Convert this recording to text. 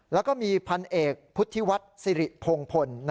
และก็มีพันเอกพุทธิวัฏซิริพงพล